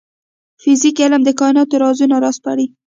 فزیک علم د کایناتو رازونه راسپړي